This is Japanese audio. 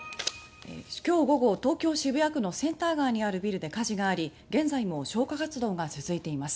きょう午後東京・渋谷区のセンター街にあるビルで火事があり現在も消火活動が続いています。